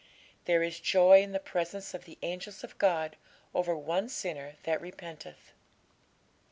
There is joy in the presence of the angels of God over one sinner that repenteth."'